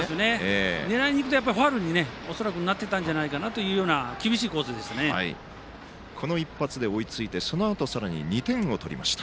狙いにいくとファウルになっていたんじゃないかなというこの一発で追いついてそのあとさらに２点を取りました。